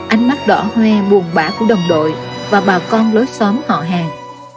ánh mắt đỏ hoe buồn bã của đồng đội và bà con lối xóm họ hàng